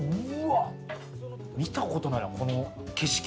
見たことない、この景色。